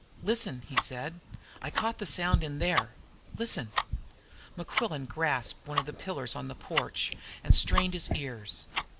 "Listen!" he said. "I caught the sound in there! Listen!" Mequillen grasped one of the pillars of the porch and strained his ears.